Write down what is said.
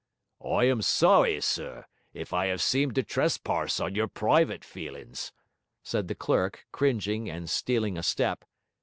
'I am sorry, sir, if I 'ave seemed to tresparse on your private feelin's,' said the clerk, cringing and stealing a step.